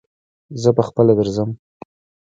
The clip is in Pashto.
زه پهخپله درځم.